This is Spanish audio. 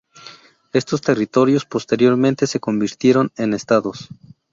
Estos territorios posteriormente se convirtieron en estados.